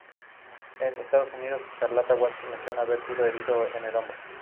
En "Estudio en escarlata", Watson menciona haber sido herido en el hombro.